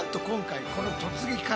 今回この「突撃！